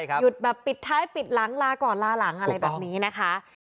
หยุดแบบปิดท้ายปิดหลังลาก่อนลาหลังอะไรแบบนี้นะคะ